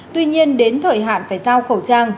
tuy nhiên đến thời hạn phải giao khẩu trang